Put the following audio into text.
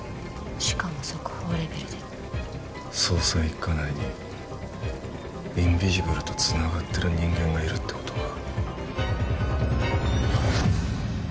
しかも速報レベルで捜査一課内にインビジブルとつながってる人間がいるってことか？